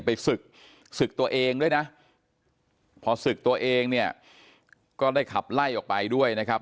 ไปศึกศึกตัวเองด้วยนะพอศึกตัวเองเนี่ยก็ได้ขับไล่ออกไปด้วยนะครับ